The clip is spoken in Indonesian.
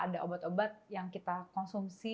ada obat obat yang kita konsumsi